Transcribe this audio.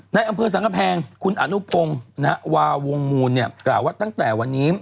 ในอำเภอสังกะแพงคุณอนุพงศ์วาวงมูลเนี่ยกล่าวว่าตั้งแต่วันนี้